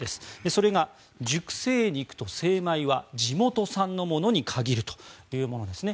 それが熟成肉と精米は地元産のものに限るというものです。